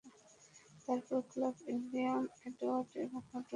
তারপর Clark William Edward, এবং Edward কে দিয়ে মরিনকে খুন করিয়েছেন।